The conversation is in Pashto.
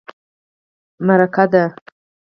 _مرکه ده.